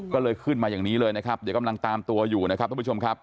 ก็เลยขึ้นมาอย่างนี้เลยนะครับเดี๋ยวกำลังตามตัวอยู่นะครับทุกผู้ชมครับ